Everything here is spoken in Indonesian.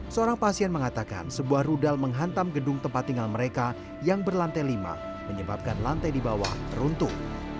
seorang pasien mengatakan sebuah rudal menghantam gedung tempat tinggal mereka yang berlantai lima menyebabkan lantai di bawah runtuh